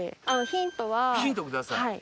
ヒントください。